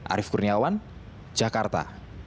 arief kurniawan jakarta